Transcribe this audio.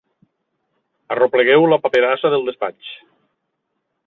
Arreplegueu la paperassa del despatx.